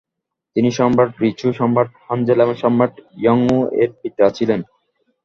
তিনি সম্রাট রিছু, সম্রাট হানযেল এবং সম্রাট ইঙ্গয়ও এর পিতা ছিলেন।